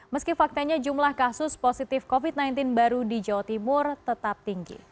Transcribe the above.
meski faktanya jumlah kasus positif covid sembilan belas baru di jawa timur tetap tinggi